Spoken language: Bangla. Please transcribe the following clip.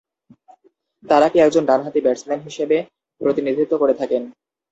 তারাকি একজন ডান-হাতি ব্যাটসম্যান হিসেবে প্রতিনিধিত্ব করে থাকেন।